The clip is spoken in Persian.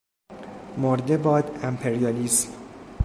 مرده باد امپریالیسم!